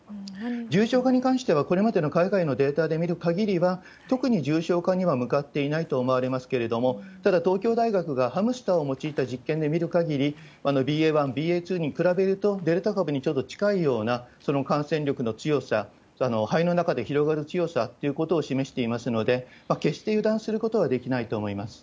重症化に関しては、これまでの海外のデータで見るかぎりは、特に重症化には向かっていないと思われますけれども、ただ、東京大学がハムスターを用いた実験で見る限り、ＢＡ．１、ＢＡ．２に比べると、デルタ株にちょっと近いような、その感染力の強さ、肺の中で広がる強さということを示していますので、決して油断することはできないと思います。